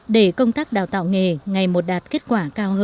để công tác đào tạo nghề ngày một đạt kết quả